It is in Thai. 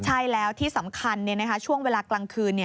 ใช่แล้วที่สำคัญช่วงเวลากลางคืน